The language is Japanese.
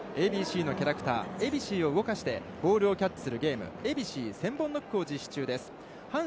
ＡＢＣのキャラクター「エビシー」を動かしてボールをキャッチするゲーム「エビシー１０００本ノック！！」を実施中です。